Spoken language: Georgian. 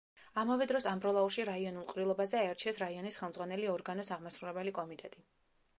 ამავე დროს ამბროლაურში რაიონულ ყრილობაზე აირჩიეს რაიონის ხელმძღვანელი ორგანოს აღმასრულებელი კომიტეტი.